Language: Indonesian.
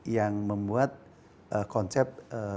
yang membuat konsep indonesia sementara